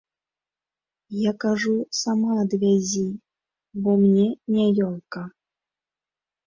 Я кажу, сама адвязі, бо мне няёмка.